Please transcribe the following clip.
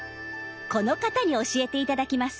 この方に教えて頂きます。